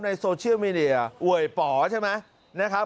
โซเชียลมีเดียอวยป๋อใช่ไหมนะครับ